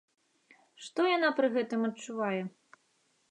Што яна пры гэтым адчувае?